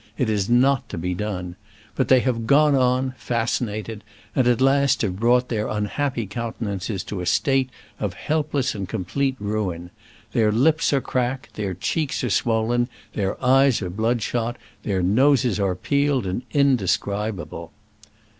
It is not to be done. But they have gone on, fascinated, and at last have brought their unhappy countenances to a state of helpless and complete ruin. Their lips are cracked, their cheeks are swollen, their eyes are bloodshot, their noses are peeled and indescribable.